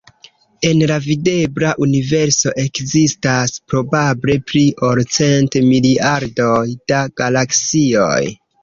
En la videbla universo ekzistas probable pli ol cent miliardoj da galaksioj.